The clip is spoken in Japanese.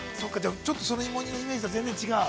ちょっと芋煮のイメージとは、全然違う？